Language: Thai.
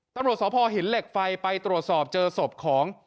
ตำรวจสพหินเหล็กไฟไปตรวจสอบเจอศพของ